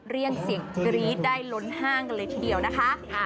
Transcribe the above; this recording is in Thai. เรียกเสียงกรี๊ดได้ล้นห้างกันเลยทีเดียวนะคะ